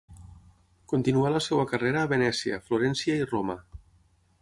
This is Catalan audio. Continuà la seva carrera a Venècia, Florència i Roma.